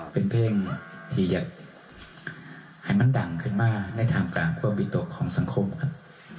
เป็นเพลงที่จะให้มันดังขึ้นมาในท่ามกลางความวิตกของสังคมครับ